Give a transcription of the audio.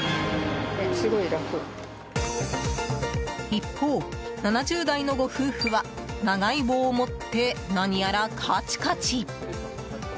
一方、７０代のご夫婦は長い棒を持って何やらカチカチ。